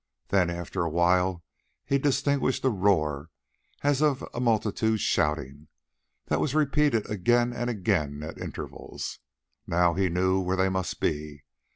Then after a while he distinguished a roar as of a multitude shouting, that was repeated again and again at intervals. Now he knew where they must be.